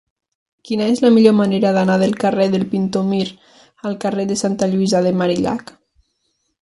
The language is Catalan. Quina és la millor manera d'anar del carrer del Pintor Mir al carrer de Santa Lluïsa de Marillac?